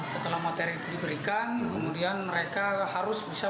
setelah materi itu diberikan kemudian mereka harus bisa